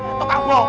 untuk aku mau aku